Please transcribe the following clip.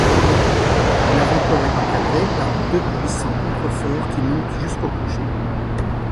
L'avant-corps est encadré par deux puissant contre-forts qui montent jusqu'au clocher.